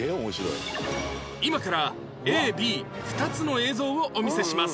今から ＡＢ２ つの映像をお見せします